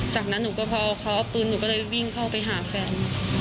จากนั้นหนูก็พอเขาเอาปืนหนูก็เลยวิ่งเข้าไปหาแฟน